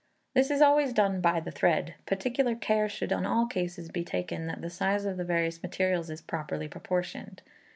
This is always done by the thread, particular care should in all cases be taken that the size of the various materials is properly proportioned.